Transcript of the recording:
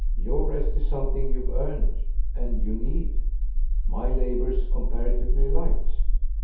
Your rest is something you've earned and you need. My labour's comparatively light."